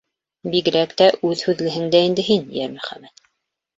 — Бигерәк тә үҙ һүҙлеһең дә инде һин, Йәрмөхәмәт.